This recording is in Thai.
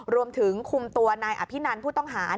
รวมถึงคุมตัวนายอภินันผู้ต้องหา